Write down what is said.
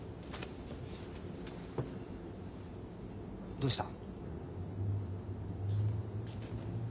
どうした？